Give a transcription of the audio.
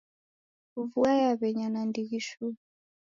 Vua yaw'enya nandighi shuu.